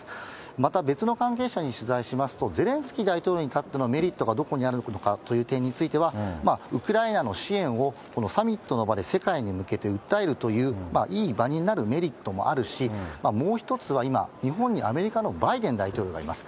また、別の関係者に取材しますと、ゼレンスキー大統領にとってのメリットがどこにあるのかという点については、ウクライナの支援をサミットの場で世界に向けて訴えるといういい場になるメリットもあるし、もう１つは今、日本にアメリカのバイデン大統領がいます。